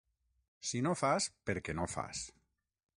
Si no fas, perquè no fas.